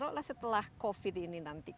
taruhlah setelah covid ini nanti kang emil ya